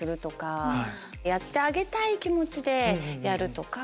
やってあげたい気持ちでやるとか。